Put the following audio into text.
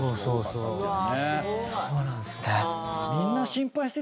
そうなんすね。